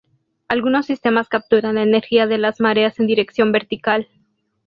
Algunos sistemas capturan la energía de las mareas en dirección vertical.